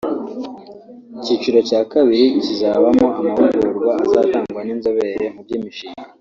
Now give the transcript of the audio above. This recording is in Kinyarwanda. Icyiciro cya kabiri kizabamo amahugurwa azatangwa n’inzobere mu by’imishinga